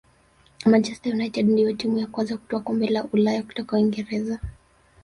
manchester united ndiyo timu ya kwanza kutwaa kombe la ulaya kutoka uingereza